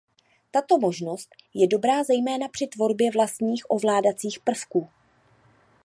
Tato možnost je dobrá zejména při tvorbě vlastních ovládacích prvků.